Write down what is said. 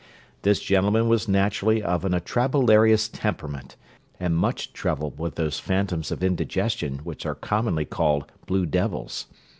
This gentleman was naturally of an atrabilarious temperament, and much troubled with those phantoms of indigestion which are commonly called blue devils.